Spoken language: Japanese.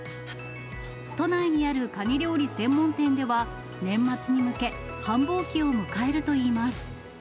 都内にあるカニ料理専門店では、年末に向け、繁忙期を迎えるといいます。